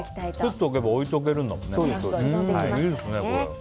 作っておけば置いておけるんだもんね。